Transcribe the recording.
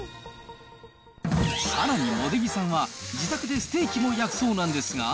さらに、茂出木さんは自宅でステーキも焼くそうなんですが。